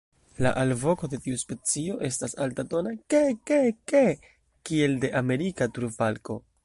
La alvoko de tiu specio estas altatona "ke-ke-ke" kiel de Amerika turfalko.